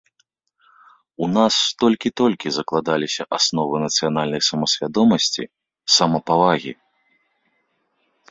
У нас толькі-толькі закладаліся асновы нацыянальнай самасвядомасці, самапавагі.